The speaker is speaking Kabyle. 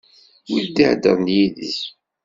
Wid d-iheddren yid-i.